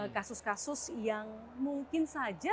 kasus kasus yang mungkin saja